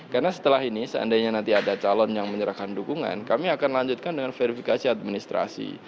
karena setelah ini seandainya nanti ada calon yang menyerahkan dukungan kami akan lanjutkan dengan verifikasi administrasi